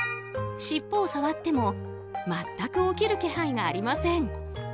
しっぽを触っても全く起きる気配がありません。